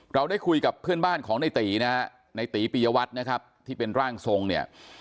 เราได้คุยกับเพื่อนบ้านของในตีนะฮะในตีปียวัตรนะครับที่เป็นร่างทรงเนี่ย